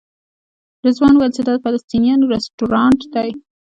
رضوان وویل چې دا د فلسطینیانو رسټورانټ دی.